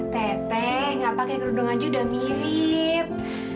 tete gak pake kerudung aja udah mirip